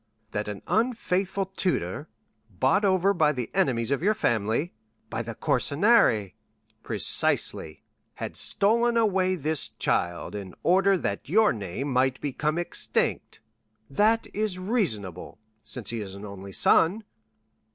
"That an unfaithful tutor, bought over by the enemies of your family——" "By the Corsinari?" "Precisely. Had stolen away this child, in order that your name might become extinct." "That is reasonable, since he is an only son."